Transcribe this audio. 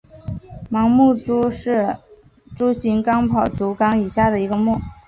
盲蛛目是蛛形纲跑足亚纲以下的一个目。